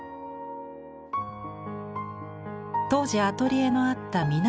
当時アトリエのあった南